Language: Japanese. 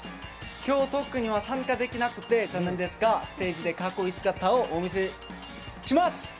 今日トークには参加できなくて残念ですがステージでかっこいい姿をお見せします。